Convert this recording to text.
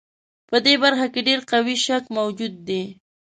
په دې برخه کې ډېر قوي شک موجود دی.